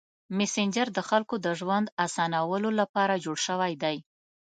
مسېنجر د خلکو د ژوند اسانولو لپاره جوړ شوی دی.